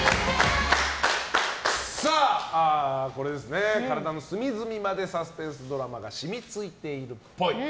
わかるぞ体の隅々までサスペンスドラマが染みついているっぽい。